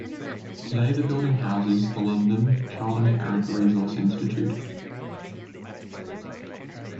Today the building houses the London Child and Parent Resource Institute.